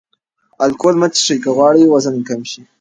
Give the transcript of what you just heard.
الکول مه څښئ که غواړئ وزن کم شي.